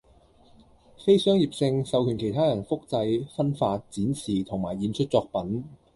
非商業性，授權其他人複製，分發，展示同埋演出作品